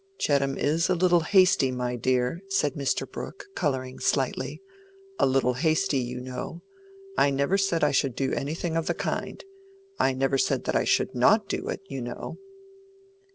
"Chettam is a little hasty, my dear," said Mr. Brooke, coloring slightly; "a little hasty, you know. I never said I should do anything of the kind. I never said I should not do it, you know."